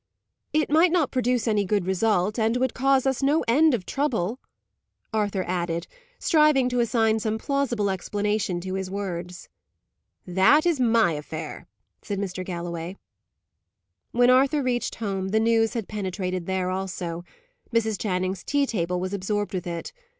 "It might not produce any good result, and would cause us no end of trouble," Arthur added, striving to assign some plausible explanation to his words. "That is my affair," said Mr. Galloway. When Arthur reached home, the news had penetrated there also. Mrs. Channing's tea table was absorbed with it.